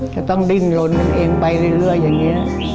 ก็ต้องดิ้นลนเองไปเรื่อยอย่างนี้นะ